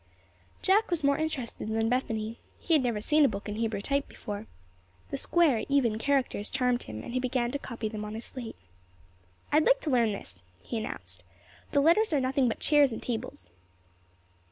Jack was more interested than Bethany. He had never seen a book in Hebrew type before. The square, even characters charmed him, and he began to copy them on his slate. "I'd like to learn this," he announced. "The letters are nothing but chairs and tables."